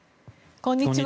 こんにちは。